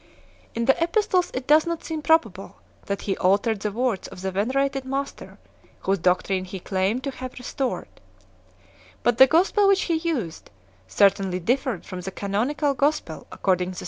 In the epistles, it does not seem probable that he altered the words of the venerated master whose doctrine he claimed to have restored ; but the gospel which he used certainly differed from the canonical gospel according to St Luke, though it Marciori > a Canon.